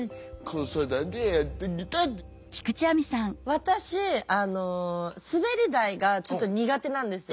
私あの滑り台がちょっと苦手なんですよ。